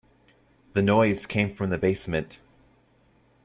The noise came from the basement.